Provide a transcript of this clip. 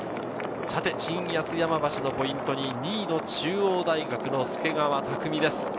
新八ツ山橋のポイントに２位の中央大学・助川拓海です。